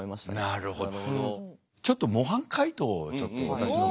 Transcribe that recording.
なるほど。